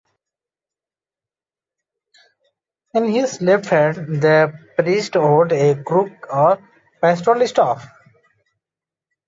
In his left hand the priest holds a crook or pastoral staff.